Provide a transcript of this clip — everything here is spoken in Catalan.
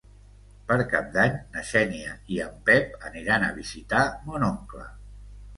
Per Cap d'Any na Xènia i en Pep aniran a visitar mon oncle.